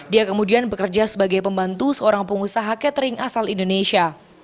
dia kemudian bekerja sebagai pembantu seorang pengusaha catering asal indonesia